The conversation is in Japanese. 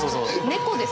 猫です